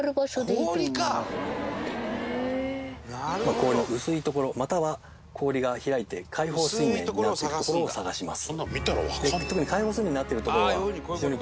氷の薄い所または氷が開いて開放水面になっている所を探します。